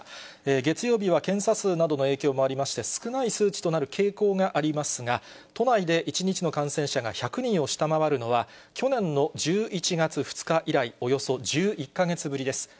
月曜日は検査数の影響もありまして、少ない数値となる傾向がありますが、都内で１日の感染者が１００人を下回るのは、去年の１１月２日以来、およそ１１か月ぶりです。